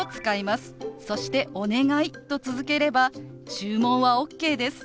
そして「お願い」と続ければ注文はＯＫです。